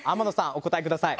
お答えください。